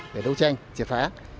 để đấu tranh triệt phá